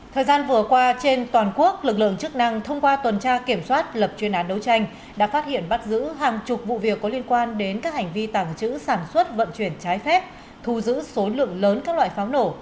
thời gian vừa qua trên toàn quốc lực lượng chức năng thông qua tuần tra kiểm soát lập chuyên án đấu tranh đã phát hiện bắt giữ hàng chục vụ việc có liên quan đến các hành vi tàng trữ sản xuất vận chuyển trái phép thu giữ số lượng lớn các loại pháo nổ